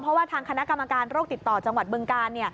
เพราะว่าทางคณะกรรมการโรคติดต่อจังหวัดบึงกาล